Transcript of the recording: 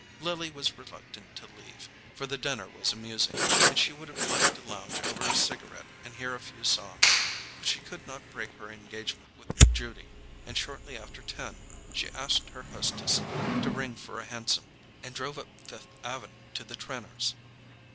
Lily was reluctant to leave, for the dinner was amusing, and she would have liked to lounge over a cigarette and hear a few songs; but she could not break her engagement with Judy, and shortly after ten she asked her hostess to ring for a hansom, and drove up Fifth Avenue to the Trenors'.